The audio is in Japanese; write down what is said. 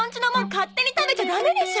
勝手に食べちゃダメでしょ！